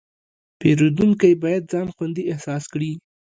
پیرودونکی باید ځان خوندي احساس کړي.